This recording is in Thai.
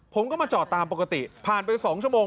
ผมก็มาจอดตามปกติผ่านไป๒ชั่วโมง